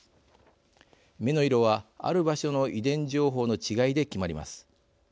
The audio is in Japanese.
目の色は、ある場所の遺伝情報の違いで決まります。